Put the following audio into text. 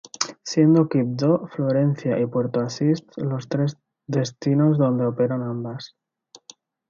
Siendo Quibdó, Florencia y Puerto Asís los tres destinos donde operan ambas.